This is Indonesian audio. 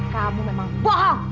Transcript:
kamu memang bohong